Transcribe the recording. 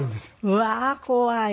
うわー怖い。